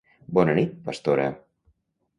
Bona nit, pastora!